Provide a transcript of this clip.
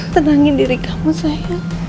tenangin diri kamu sayang